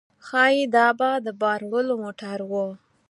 ښايي دا به د بار وړلو موټر و.